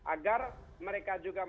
agar mereka juga